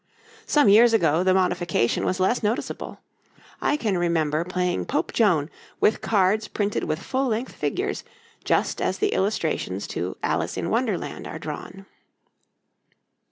Some years ago the modification was less noticeable; I can remember playing Pope Joan with cards printed with full length figures, just as the illustrations to 'Alice in Wonderland' are drawn.